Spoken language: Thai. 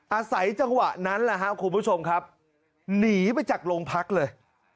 อาศัยจังหวะนั้นคุณผู้ชมครับหนีไปจากโรงพักษณ์เลย